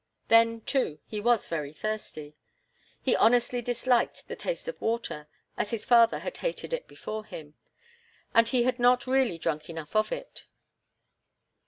Then, too, he was very thirsty. He honestly disliked the taste of water as his father had hated it before him and he had not really drunk enough of it.